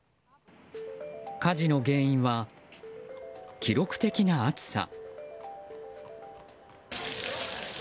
火事の原因は記録的な暑さ。